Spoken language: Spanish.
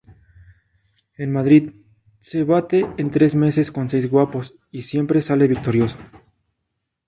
En Madrid se bate en tres meses con seis guapos y siempre sale victorioso.